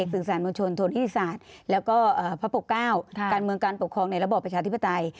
สื่อสารมวลชนโทนที่ศาสตร์แล้วก็พระปกเก้าการเมืองการปกครองในระบอบประชาธิปไตย